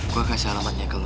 gue kasih alamatnya ke lo